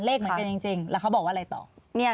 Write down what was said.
เลขเหมือนกันจริงแล้วเขาบอกว่าอะไรต่อ